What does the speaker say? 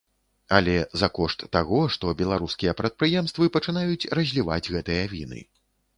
Але за кошт таго, што беларускія прадпрыемствы пачынаюць разліваць гэтыя віны.